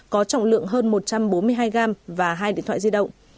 có trọng lượng hơn một trăm bốn mươi hai gram và hai điện thoại di động